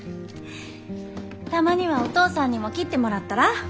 たまにはお父さんにも切ってもらったら？